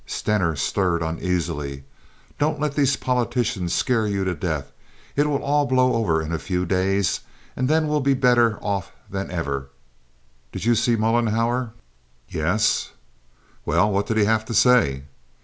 Stener stirred uneasily. "Don't let these politicians scare you to death. It will all blow over in a few days, and then we'll be better off than ever. Did you see Mollenhauer?" "Yes." "Well, what did he have to say?"